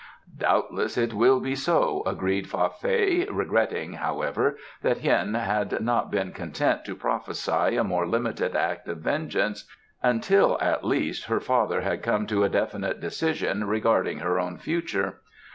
"Doubtless it will be so," agreed Fa Fei, regretting, however, that Hien had not been content to prophesy a more limited act of vengeance, until, at least, her father had come to a definite decision regarding her own future.